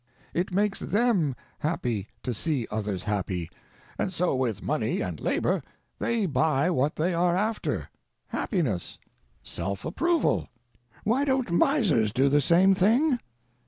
It makes them happy to see others happy; and so with money and labor they buy what they are after—happiness, self approval. Why don't miners do the same thing?